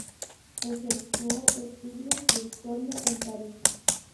Efectuó estudios de historia en París.